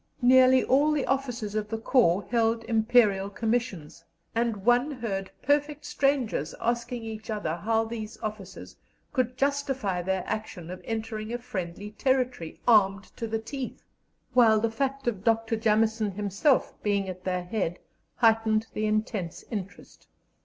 Nearly all the officers of the corps held Imperial commissions, and one heard perfect strangers asking each other how these officers could justify their action of entering a friendly territory, armed to the teeth; while the fact of Dr. Jameson himself being at their head heightened the intense interest.